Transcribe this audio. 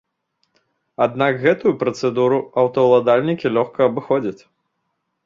Аднак гэтую працэдуру аўтаўладальнікі лёгка абыходзяць.